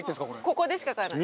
ここでしか買えない。